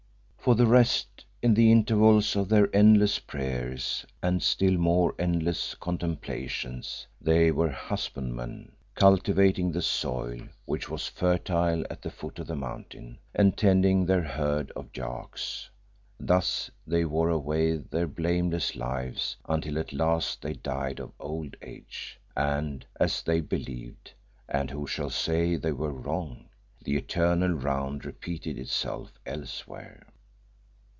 For the rest, in the intervals of their endless prayers, and still more endless contemplations, they were husbandmen, cultivating the soil, which was fertile at the foot of the mountain, and tending their herd of yaks. Thus they wore away their blameless lives until at last they died of old age, and, as they believed and who shall say that they were wrong the eternal round repeated itself elsewhere.